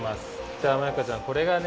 じゃあマイカちゃんこれがね